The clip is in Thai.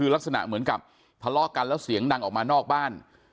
ลักษณะเหมือนกับทะเลาะกันแล้วเสียงดังออกมานอกบ้าน